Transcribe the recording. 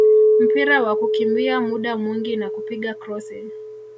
mpira wa kukimbia muda mwingi na kupiga krosi